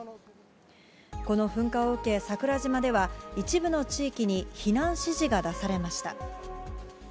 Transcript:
この噴火を受け、桜島では一部の地域に避難指示が出されました。